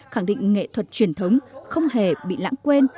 khẳng định nghệ thuật truyền thống không hề bị lãng quên